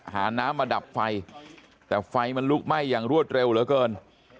หาน้ำมาดับไฟแต่ไฟมันลุกไหม้อย่างรวดเร็วเหลือเกิน